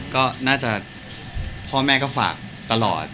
ก็น่าจะพ่อแม่ก็ฝากตลอด